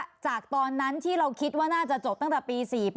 จากตอนนั้นที่เราคิดว่าน่าจะจบตั้งแต่ปี๔๘